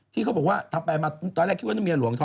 ที่เขาบอกว่าตอนแรกคิดว่าต้องเมียหลวงท้อง